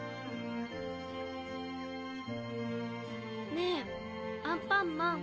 ねぇアンパンマン。